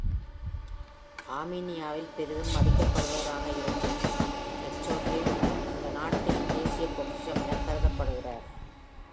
ஆர்மீனியாவில் பெரிதும் மதிக்கப்படுபவராக இருக்கும் Khachaturian, அந்த நாட்டின் ”தேசிய பொக்கிஷம்” எனக் கருதப்படுகிறார்.